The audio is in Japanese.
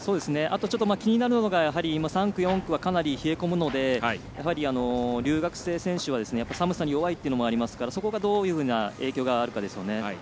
気になるのが３区、４区はかなり冷え込むので留学生選手は、寒さに弱いというのもありますからそこがどういうふうな影響があるかですね。